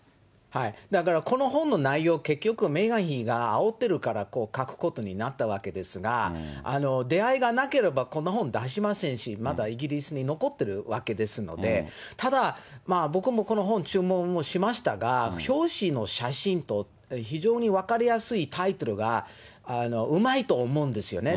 だからこの本の内容、結局メーガン妃があおってるから書くことになったわけですが、出会いがなければこんな本出しませんし、まだイギリスに残ってるわけですので、ただ、僕もこの本、注文をしましたが、表紙の写真と非常に分かりやすいタイトルがうまいと思うんですよね。